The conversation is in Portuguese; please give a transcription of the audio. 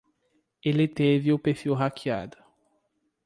Ele teve o perfil hackeado.